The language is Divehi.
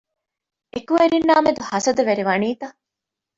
އެކުވެރިންނާ މެދު ހަސަދަވެރި ވަނީތަ؟